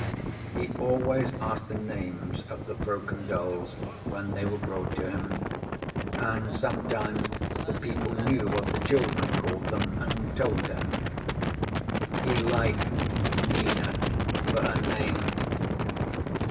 He always asked the names of the broken dolls when they were brought to him, and sometimes the people knew what the children called them, and told him. He liked "Nina" for a name.